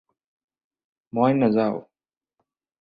মই নেযাওঁ